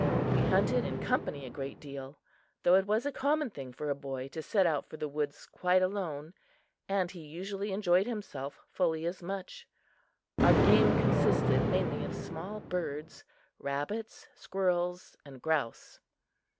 We hunted in company a great deal, though it was a common thing for a boy to set out for the woods quite alone, and he usually enjoyed himself fully as much. Our game consisted mainly of small birds, rabbits, squirrels and grouse.